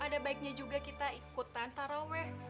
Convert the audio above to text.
ada baiknya juga kita ikutan taraweh